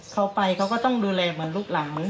เขาไปเขาก็ต้องดูแลแบบลูกหลัง